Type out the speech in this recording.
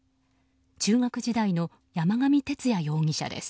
中学時代の山上徹也容疑者です。